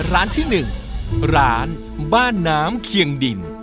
ร้านที่๑ร้านบ้านน้ำเคียงดิน